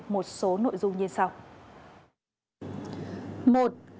một số nội dung như sau